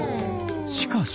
しかし。